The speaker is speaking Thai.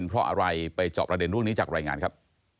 ไปจอบประเด็นร่วมนี้จากรายงานครับ